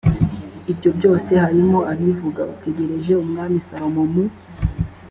ibyo byose hiramu abivuga ategereje umwami salomo mu